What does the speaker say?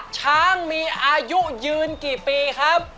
ช้างมีอายุยืนกี่ปีครับ